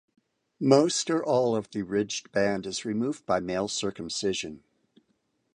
Most or all of the ridged band is removed by male circumcision.